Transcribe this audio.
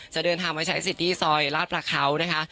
จะเดินทางมาใช้ซิตี้ซอยราชประเขานะคะ